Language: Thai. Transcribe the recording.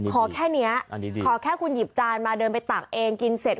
ขอแค่นี้ขอแค่คุณหยิบจานมาเดินไปตักเองกินเสร็จ